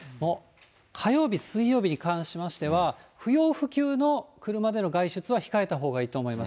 火曜日、水曜日に関しましては、不要不急の車での外出は控えたほうがいいと思います。